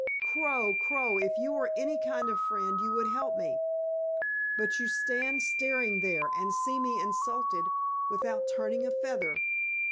Crow, Crow, if you were any kind of friend you would help me. But you stand staring there and see me insulted, without turning a feather!